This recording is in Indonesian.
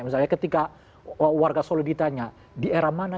misalnya ketika warga solo ditanya di era mana